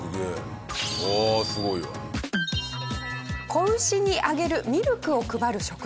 子牛にあげるミルクを配る職人技です。